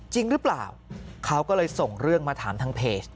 จริงหรือเปล่าเขาก็เลยส่งเรื่องมาถามทางเพจ